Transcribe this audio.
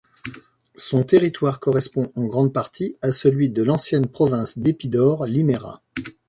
Son territoire correspond en grande partie à celui de l'ancienne province d'Épidaure Liméra.